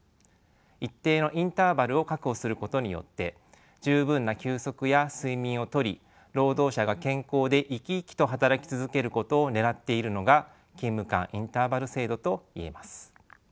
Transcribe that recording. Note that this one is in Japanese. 一定のインターバルを確保することによって十分な休息や睡眠をとり労働者が健康で生き生きと働き続けることをねらっているのが勤務間インターバル制度と言えます。